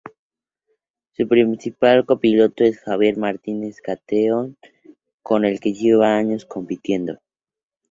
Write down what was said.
Su principal copiloto es Javier Martínez Cattaneo con el que lleva años compitiendo.